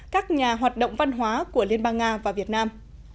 các nhà hoạt động văn hóa của liên bang nga và việt nam